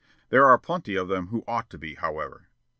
There are plenty of them who ought to be, however."